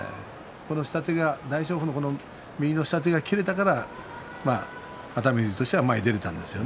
大翔鵬の右の下手が切れたので熱海富士としては前に出ることができました。